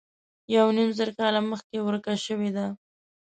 یو نیم زر کاله مخکې ورکه شوې ده.